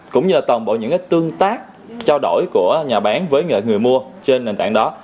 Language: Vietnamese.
cũng như toàn bộ những tương tác trao đổi của nhà bán với người mua trên nền tảng đó